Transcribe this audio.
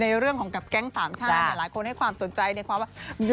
ในเรื่องของกับแก๊งสามชาติหลายคนให้ความสนใจในความว่า